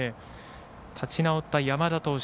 立ち直った山田投手